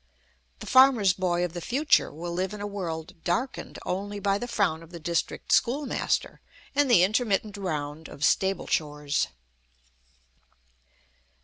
The farmer's boy of the future will live in a world darkened only by the frown of the district schoolmaster and the intermittent round of stable chores.